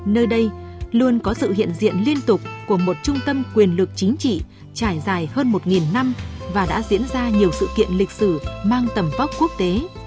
nơi đây luôn có sự hiện diện liên tục của một trung tâm quyền lực chính trị trải dài hơn một năm và đã diễn ra nhiều sự kiện lịch sử mang tầm vóc quốc tế